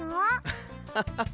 アハハハ！